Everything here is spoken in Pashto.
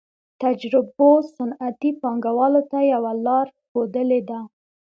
تجربو صنعتي پانګوالو ته یوه لار ښودلې ده